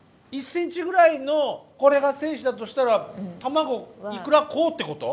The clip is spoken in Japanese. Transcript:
１ｃｍぐらいのこれが精子だとしたら卵イクラこうってこと？